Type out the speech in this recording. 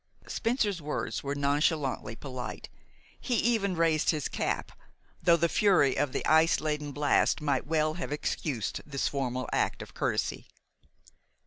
Spencer's words were nonchalantly polite. He even raised his cap, though the fury of the ice laden blast might well have excused this formal act of courtesy.